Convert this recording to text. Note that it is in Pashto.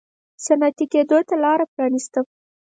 صنعتي کېدو ته لار پرانېسته.